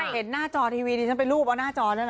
เห็นหน้าจอทีวีดิฉันไปรูปเอาหน้าจอด้วยนะ